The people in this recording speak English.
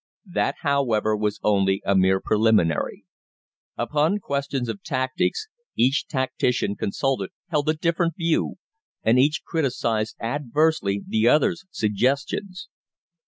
That, however, was only a mere preliminary. Upon questions of tactics each tactician consulted held a different view, and each criticised adversely the other's suggestions.